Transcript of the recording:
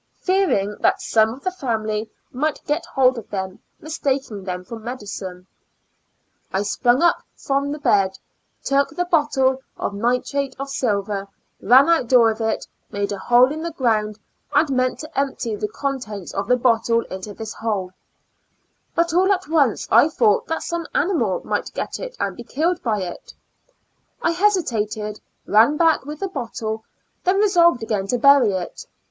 Fearing that some of the family might get hold of them, mistaking them for medicine, I sprung from the bed, took the bottle of nitrate of silver, ran out door with it, made a hole in the ground, and meant to empty the contents of the bottle into this hole; but all at once I thought that some animal might get it and be killed by it. I hesitated, ran back with the bottle, then resolved again to bury it.